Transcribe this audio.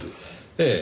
ええ。